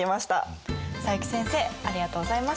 佐伯先生ありがとうございました。